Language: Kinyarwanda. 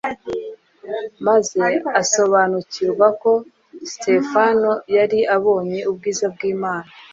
maze asobanukirwa ko Sitefano yari abonye “ubwiza bw’Imana”